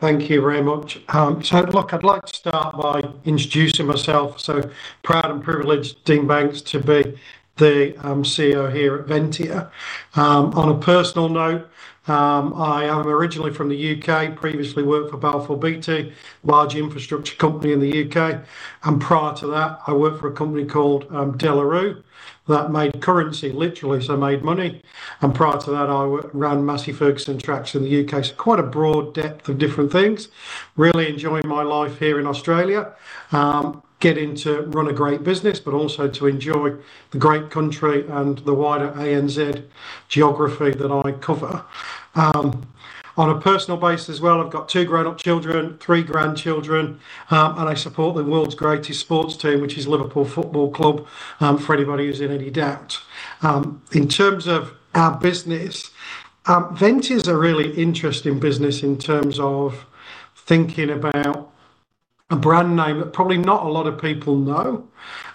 Thank you very much. I'd like to start by introducing myself. Proud and privileged, Dean Banks, to be the CEO here at Ventia. On a personal note, I am originally from the UK, previously worked for Balfour BT, a large infrastructure company in the UK. Prior to that, I worked for a company called Delaroo that made currency, literally, so made money. Prior to that, I ran Massey Ferguson tracks in the UK. Quite a broad depth of different things. Really enjoying my life here in Australia, getting to run a great business, but also to enjoy the great country and the wider ANZ geography that I cover. On a personal basis as well, I've got two grown-up children, three grandchildren, and I support the world's greatest sports team, which is Liverpool Football Club, for anybody who's in any doubt. In terms of our business, Ventia is a really interesting business in terms of thinking about a brand name that probably not a lot of people know,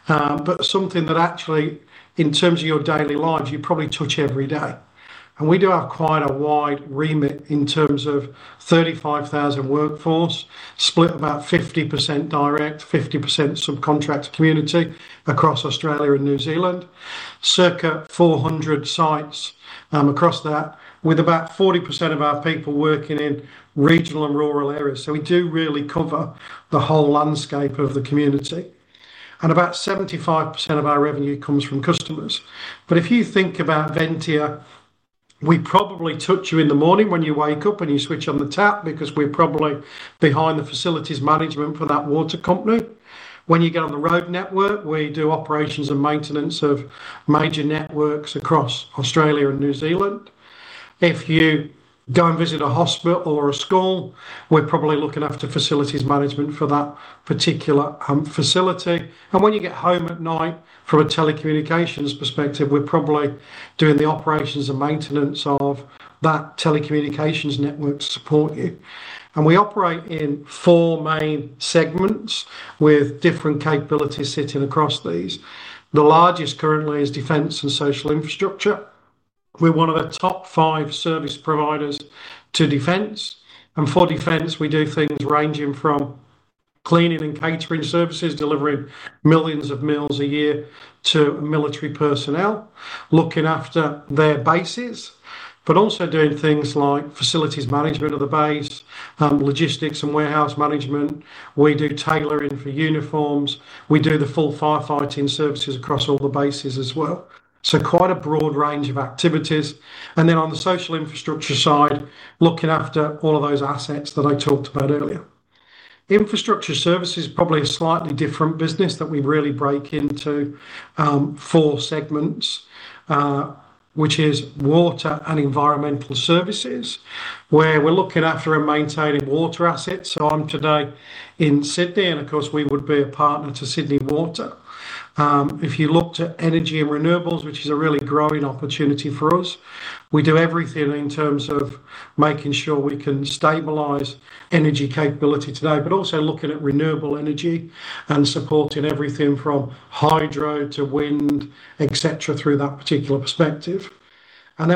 but something that actually, in terms of your daily life, you probably touch every day. We do have quite a wide remit in terms of 35,000 workforce, split about 50% direct, 50% subcontract community across Australia and New Zealand, circa 400 sites across that, with about 40% of our people working in regional and rural areas. We do really cover the whole landscape of the community. About 75% of our revenue comes from customers. If you think about Ventia, we probably touch you in the morning when you wake up and you switch on the tap because we're probably behind the facilities management for that water company. When you get on the road network, we do operations and maintenance of major networks across Australia and New Zealand. If you go and visit a hospital or a school, we're probably looking after facilities management for that particular facility. When you get home at night, from a telecommunications perspective, we're probably doing the operations and maintenance of that telecommunications network to support you. We operate in four main segments with different capabilities sitting across these. The largest currently is defense and social infrastructure. We're one of the top five service providers to defense. For defense, we do things ranging from cleaning and catering services, delivering millions of meals a year to military personnel, looking after their bases, but also doing things like facilities management of the base, logistics and warehouse management. We do tailoring for uniforms. We do the full firefighting services across all the bases as well. Quite a broad range of activities. On the social infrastructure side, looking after all of those assets that I talked about earlier. Infrastructure services is probably a slightly different business that we really break into four segments, which is water and environmental services, where we're looking after and maintaining water assets. I'm today in Sydney, and of course, we would be a partner to Sydney Water. If you look to energy and renewables, which is a really growing opportunity for us, we do everything in terms of making sure we can stabilize energy capability today, but also looking at renewable energy and supporting everything from hydro to wind, etc., through that particular perspective.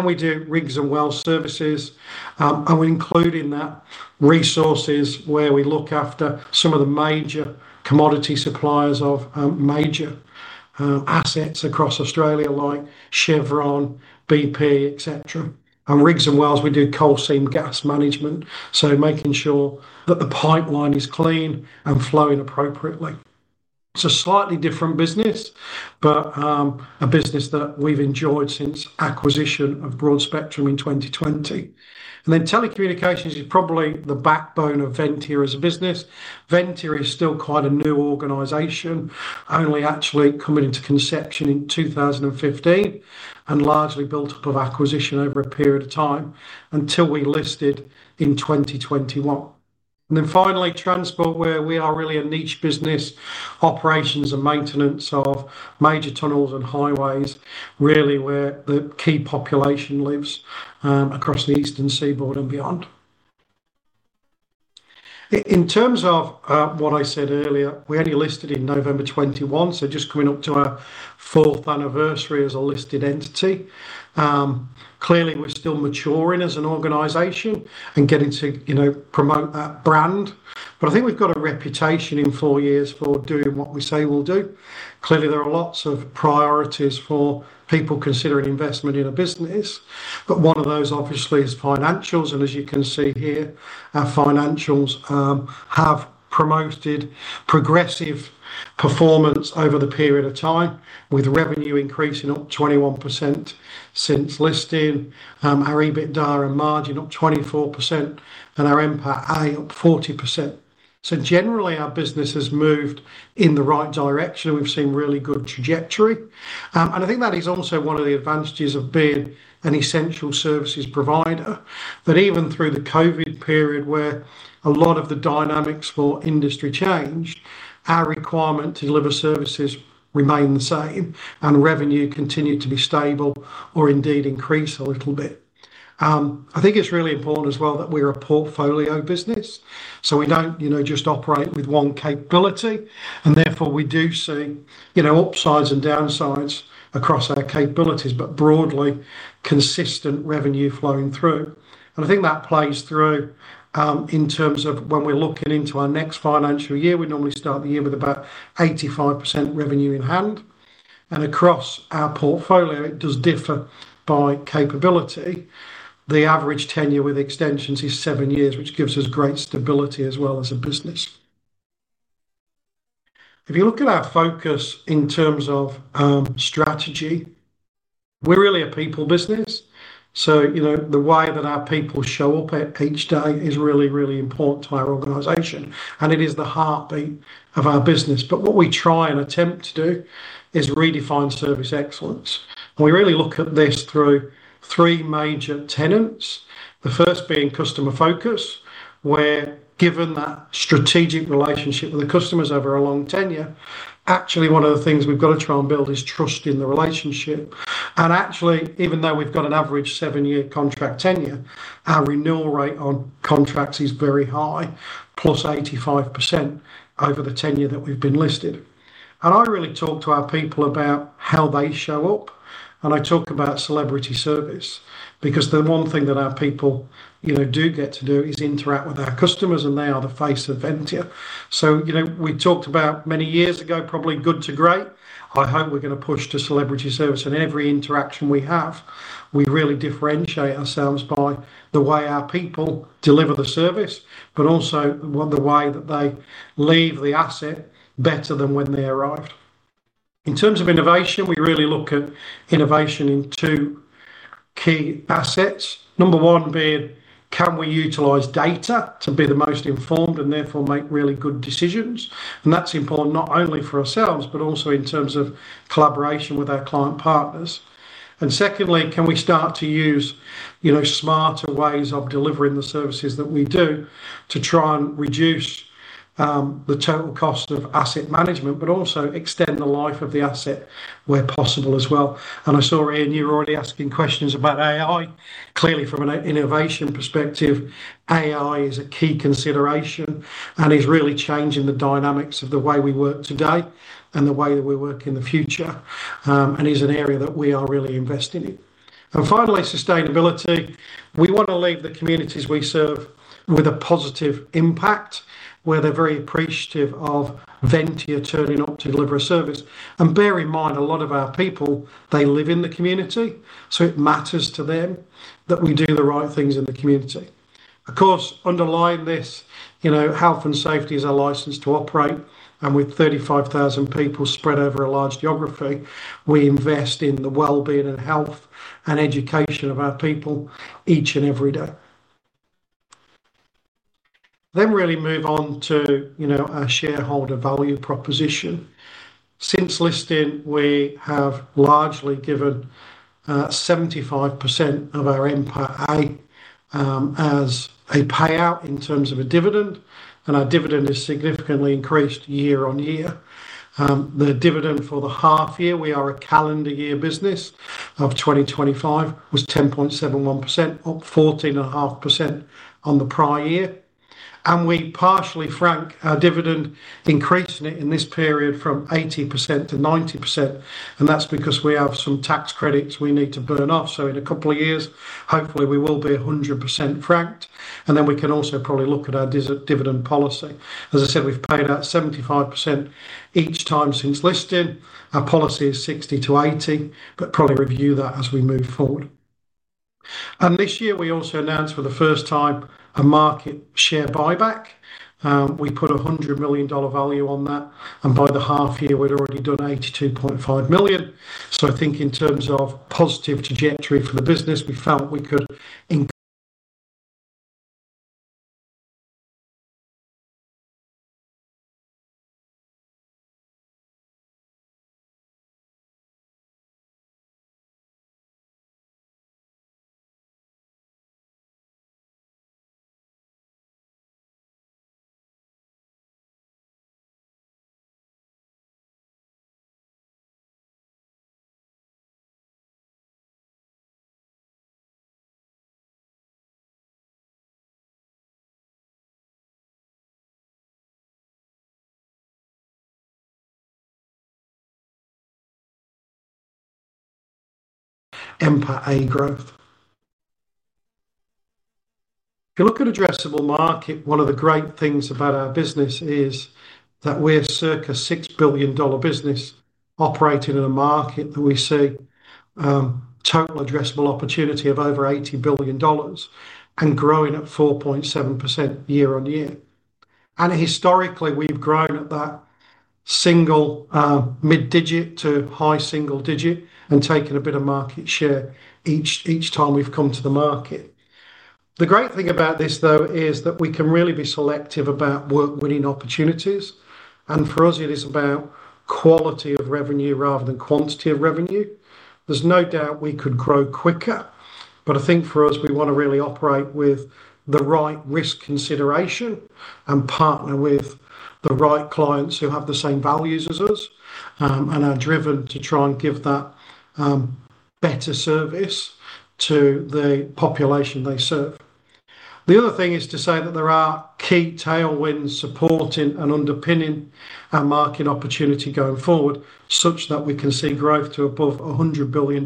We do rigs and well services, and we include in that resources where we look after some of the major commodity suppliers of major assets across Australia like Chevron, BP, etc. In rigs and wells, we do coal seam gas management, making sure that the pipeline is clean and flowing appropriately. It's a slightly different business, but a business that we've enjoyed since acquisition of Broad Spectrum in 2020. Telecommunications is probably the backbone of Ventia as a business. Ventia is still quite a new organization, only actually coming into conception in 2015 and largely built up of acquisition over a period of time until we listed in 2021. Finally, transport, where we are really a niche business, operations and maintenance of major tunnels and highways, really where the key population lives, across the eastern seaboard and beyond. In terms of what I said earlier, we only listed in November 2021, so just coming up to our fourth anniversary as a listed entity. Clearly, we're still maturing as an organization and getting to promote that brand. I think we've got a reputation in four years for doing what we say we'll do. There are lots of priorities for people considering investment in a business, but one of those obviously is financials. As you can see here, our financials have promoted progressive performance over the period of time, with revenue increasing up 21% since listing, our EBITDA and margin up 24%, and our MPA up 40%. Generally, our business has moved in the right direction. We've seen really good trajectory. I think that is also one of the advantages of being an essential services provider, that even through the COVID period where a lot of the dynamics for industry changed, our requirement to deliver services remained the same and revenue continued to be stable or indeed increase a little bit. I think it's really important as well that we're a portfolio business. We don't just operate with one capability, and therefore, we do see upsides and downsides across our capabilities, but broadly, consistent revenue flowing through. I think that plays through in terms of when we're looking into our next financial year. We normally start the year with about 85% revenue in hand, and across our portfolio, it does differ by capability. The average tenure with extensions is seven years, which gives us great stability as well as a business. If you look at our focus in terms of strategy, we're really a people business. The way that our people show up each day is really, really important to our organization, and it is the heartbeat of our business. What we try and attempt to do is redefine service excellence, and we really look at this through three major tenets, the first being customer focus, where given that strategic relationship with the customers over a long tenure, actually one of the things we've got to try and build is trust in the relationship. Even though we've got an average seven-year contract tenure, our renewal rate on contracts is very high, plus 85% over the tenure that we've been listed. I really talk to our people about how they show up, and I talk about celebrity service because the one thing that our people do get to do is interact with our customers, and they are the face of Ventia. We talked about many years ago, probably good to great. I hope we're going to push to celebrity service in every interaction we have. We really differentiate ourselves by the way our people deliver the service, but also the way that they leave the asset better than when they arrive. In terms of innovation, we really look at innovation in two key assets. Number one being, can we utilize data to be the most informed and therefore make really good decisions? That's important not only for ourselves, but also in terms of collaboration with our client partners. Secondly, can we start to use smarter ways of delivering the services that we do to try and reduce the total cost of asset management, but also extend the life of the asset where possible as well. I saw, Ryan, you were already asking questions about AI. Clearly, from an innovation perspective, AI is a key consideration and is really changing the dynamics of the way we work today and the way that we work in the future. It is an area that we are really investing in. Finally, sustainability. We want to leave the communities we serve with a positive impact, where they're very appreciative of Ventia turning up to deliver a service. Bear in mind, a lot of our people live in the community. It matters to them that we do the right things in the community. Of course, underlying this, health and safety is our license to operate. With 35,000 people spread over a large geography, we invest in the wellbeing and health and education of our people each and every day. Moving on to our shareholder value proposition. Since listing, we have largely given 75% of our MPA as a payout in terms of a dividend. Our dividend has significantly increased year on year. The dividend for the half year, we are a calendar year business of 2025, was 10.71%, up 14.5% on the prior year. We partially frank our dividend, increasing it in this period from 80% to 90%. That is because we have some tax credits we need to burn off. In a couple of years, hopefully we will be 100% franked. We can also probably look at our dividend policy. As I said, we've paid out 75% each time since listing. Our policy is 60% to 80%, but probably review that as we move forward. This year we also announced for the first time a market share buyback. We put a $100 million value on that. By the half year, we'd already done $82.5 million. In terms of positive trajectory for the business, we felt we could. MPA growth. If you look at addressable market, one of the great things about our business is that we're a circa $6 billion business operating in a market that we see a total addressable opportunity of over $80 billion and growing at 4.7% year on year. Historically, we've grown at that single mid-digit to high single digit and taken a bit of market share each time we've come to the market. The great thing about this is that we can really be selective about winning opportunities. For us, it is about quality of revenue rather than quantity of revenue. There's no doubt we could grow quicker. I think for us, we want to really operate with the right risk consideration and partner with the right clients who have the same values as us and are driven to try and give that better service to the population they serve. There are key tailwinds supporting and underpinning our market opportunity going forward, such that we can see growth to above $100 billion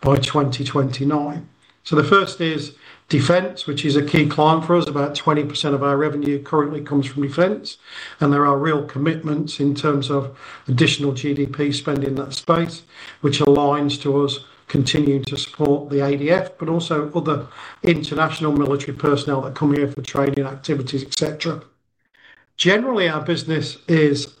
by 2029. The first is defense, which is a key client for us. About 20% of our revenue currently comes from defense. There are real commitments in terms of additional GDP spend in that space, which aligns to us continuing to support the ADF, but also other international military personnel that come here for training activities, et cetera. Generally, our business is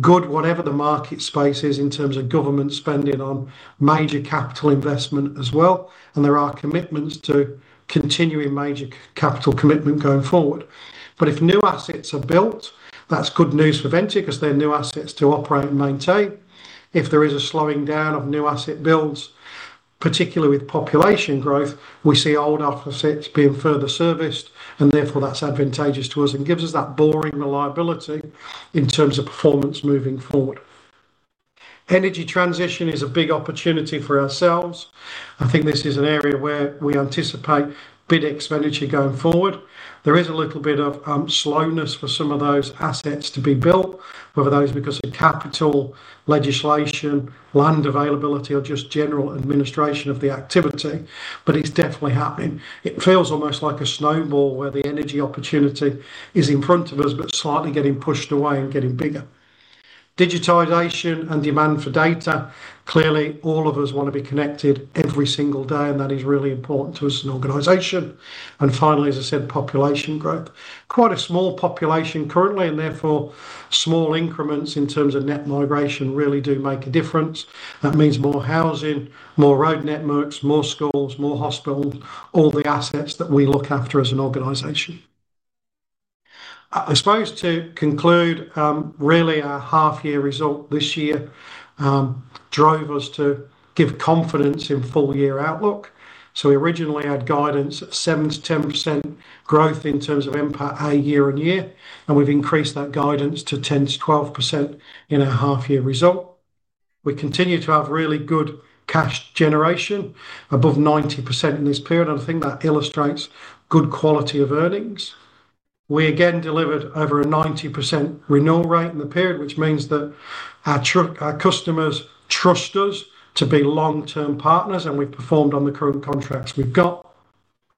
good, whatever the market space is in terms of government spending on major capital investment as well. There are commitments to continuing major capital commitment going forward. If new assets are built, that's good news for Ventia Services Group because they're new assets to operate and maintain. If there is a slowing down of new asset builds, particularly with population growth, we see old assets being further serviced, and therefore that's advantageous to us and gives us that boring reliability in terms of performance moving forward. Energy transition is a big opportunity for ourselves. I think this is an area where we anticipate big expenditure going forward. There is a little bit of slowness for some of those assets to be built, whether that is because of capital legislation, land availability, or just general administration of the activity, but it's definitely happening. It feels almost like a snowball where the energy opportunity is in front of us, but slightly getting pushed away and getting bigger. Digitization and demand for data, clearly all of us want to be connected every single day, and that is really important to us as an organization. Finally, as I said, population growth. Quite a small population currently, and therefore small increments in terms of net migration really do make a difference. That means more housing, more road networks, more schools, more hospitals, all the assets that we look after as an organization. I suppose to conclude, really our half-year result this year drove us to give confidence in full-year outlook. We originally had guidance of 7% to 10% growth in terms of MPA year on year, and we've increased that guidance to 10% to 12% in our half-year result. We continue to have really good cash generation, above 90% in this period, and I think that illustrates good quality of earnings. We again delivered over a 90% renewal rate in the period, which means that our customers trust us to be long-term partners, and we performed on the current contracts.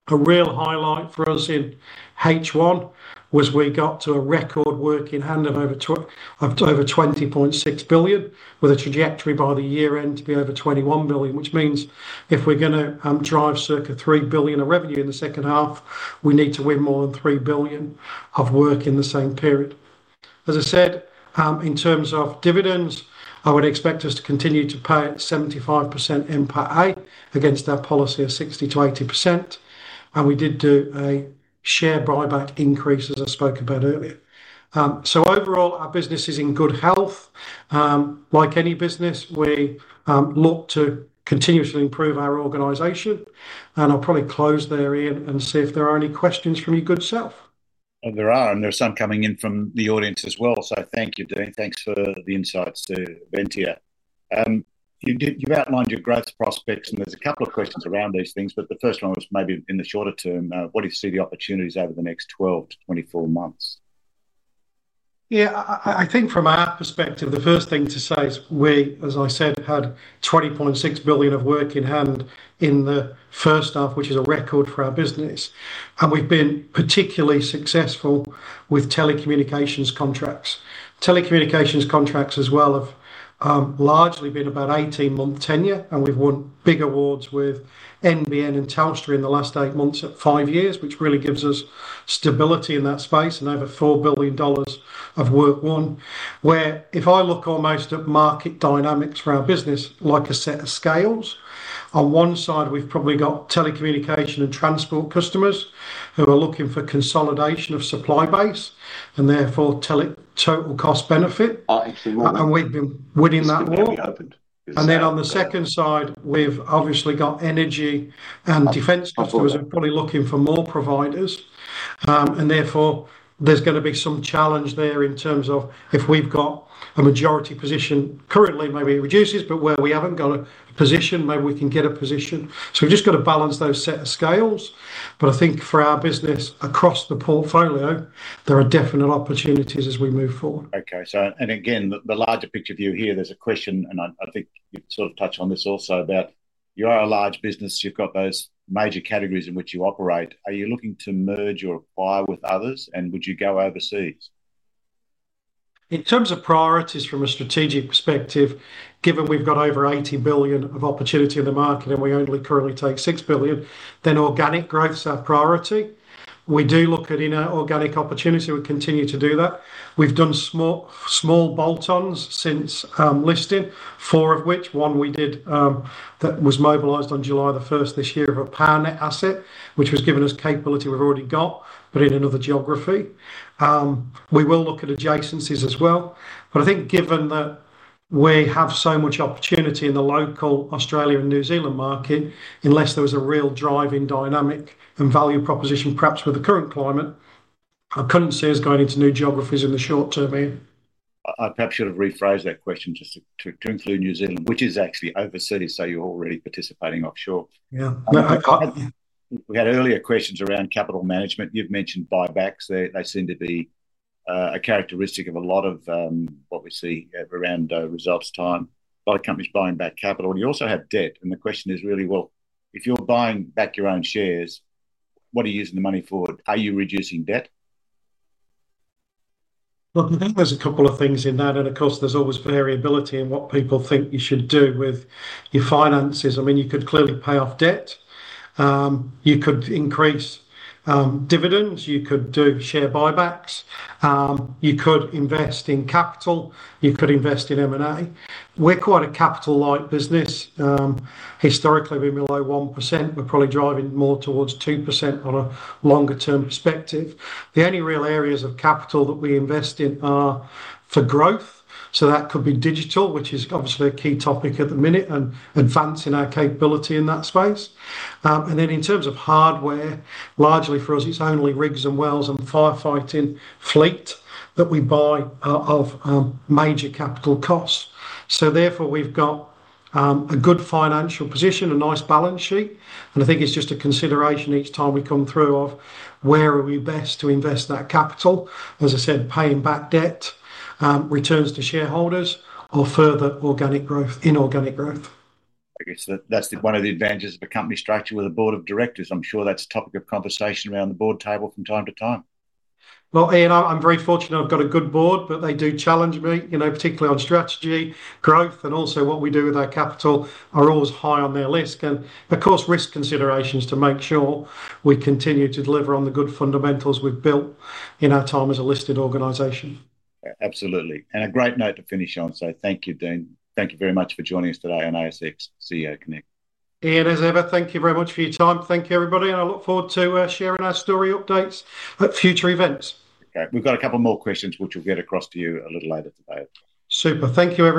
A real highlight for us in H1 was we got to a record work-in-hand of over $20.6 billion, with a trajectory by the year end to be over $21 billion, which means if we're going to drive circa $3 billion of revenue in the second half, we need to win more than $3 billion of work in the same period. As I said, in terms of dividends, I would expect us to continue to pay at 75% MPA against our policy of 60% to 80%, and we did do a share buyback increase as I spoke about earlier. Overall, our business is in good health. Like any business, we look to continuously improve our organization, and I'll probably close there and see if there are any questions from you, good self. There are, and there's some coming in from the audience as well, so thank you, Dean. Thanks for the insights to Ventia. You outlined your growth prospects, and there's a couple of questions around these things. The first one was maybe in the shorter term, what do you see the opportunities over the next 12 to 24 months? Yeah, I think from our perspective, the first thing to say is we, as I said, had $20.6 billion of work-in-hand in the first half, which is a record for our business. We've been particularly successful with telecommunications contracts. Telecommunications contracts as well have largely been about 18-month tenure, and we've won big awards with NBN and Telstra in the last eight months at five years, which really gives us stability in that space and over $4 billion of work won. If I look almost at market dynamics for our business, like a set of scales, on one side we've probably got telecommunication and transport customers who are looking for consolidation of supply base and therefore total cost benefit. We've been within that wall. On the second side, we've obviously got energy and defense customers who are probably looking for more providers. Therefore there's going to be some challenge there in terms of if we've got a majority position, currently maybe it reduces, but where we haven't got a position, maybe we can get a position. We've just got to balance those set of scales. I think for our business across the portfolio, there are definite opportunities as we move forward. Okay, the larger picture view here, there's a question, and I think you sort of touched on this also, about you are a large business, you've got those major categories in which you operate. Are you looking to merge or acquire with others, and would you go overseas? In terms of priorities from a strategic perspective, given we've got over $80 billion of opportunity in the market and we only currently take $6 billion, then organic growth is our priority. We do look at inorganic opportunity. We continue to do that. We've done small bolt-ons since listing, four of which, one we did that was mobilized on July 1 this year of a PowerNet asset, which has given us capability we've already got, but in another geography. We will look at adjacencies as well. I think given that we have so much opportunity in the local Australia and New Zealand market, unless there was a real driving dynamic and value proposition, perhaps with the current climate, I couldn't see us going into new geographies in the short term. I perhaps should have rephrased that question just to include New Zealand, which is actually overseas, so you're already participating offshore. Yeah. We had earlier questions around capital management. You've mentioned buybacks. They seem to be a characteristic of a lot of what we see around results time, by companies buying back capital. You also have debt. The question is really, if you're buying back your own shares, what are you using the money for? Are you reducing debt? Look, I think there's a couple of things in that. Of course, there's always variability in what people think you should do with your finances. I mean, you could clearly pay off debt, you could increase dividends, you could do share buybacks, you could invest in capital, you could invest in M&A. We're quite a capital-light business. Historically, we've been below 1%. We're probably driving more towards 2% on a longer-term perspective. The only real areas of capital that we invest in are for growth. That could be digital, which is obviously a key topic at the minute, and advancing our capability in that space. In terms of hardware, largely for us, it's only rigs and wells and the firefighting fleet that we buy of major capital costs. Therefore, we've got a good financial position, a nice balance sheet. I think it's just a consideration each time we come through of where are we best to invest in that capital. As I said, paying back debt, returns to shareholders, or further organic growth, inorganic growth. I guess that's one of the advantages of a company structured with a board of directors. I'm sure that's a topic of conversation around the board table from time to time. I'm very fortunate I've got a good board, but they do challenge me, you know, particularly on strategy, growth, and also what we do with our capital are always high on their list. Of course, risk considerations to make sure we continue to deliver on the good fundamentals we've built in our time as a listed organization. Absolutely. A great note to finish on. Thank you, Dean. Thank you very much for joining us today on ASX CEO Connect. Thank you very much for your time. Thank you, everybody. I look forward to sharing our story updates at future events. Okay, we've got a couple more questions, which we'll get across to you a little later today. Super. Thank you very much.